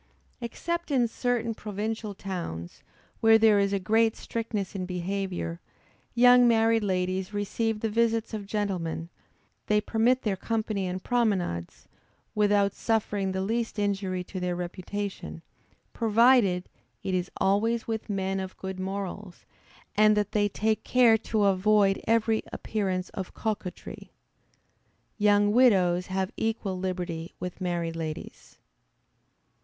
Except in certain provincial towns, where there is a great strictness in behavior, young married ladies receive the visits of gentlemen; they permit their company in promenades, without suffering the least injury to their reputation, provided it is always with men of good morals, and that they take care to avoid every appearance of coquetry. Young widows have equal liberty with married ladies.